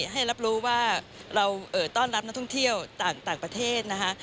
ให้รับรู้ว่าเราต้อนรับนักท่องเที่ยวต่างประเทศนะคะ